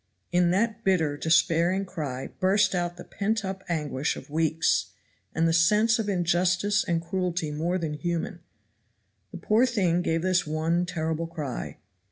In that bitter, despairing cry burst out the pent up anguish of weeks, and the sense of injustice and cruelty more than human. The poor thing gave this one terrible cry.